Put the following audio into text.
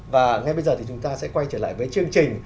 và ngay bây giờ thì chúng ta sẽ quay trở lại với chương trình